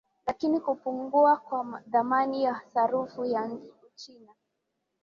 lakini kupungua kwa thamani ya sarafu ya uchina